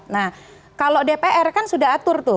nah kalau dpr kan sudah atur tuh